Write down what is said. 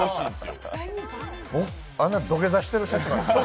あんな土下座してる写真がですか？